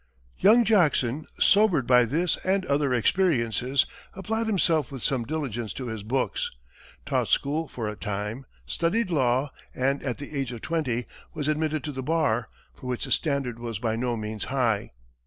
Young Jackson, sobered by this and other experiences, applied himself with some diligence to his books, taught school for a time, studied law, and at the age of twenty was admitted to the bar, for which the standard was by no means high.